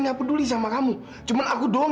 gak peduli sama kamu cuma aku doang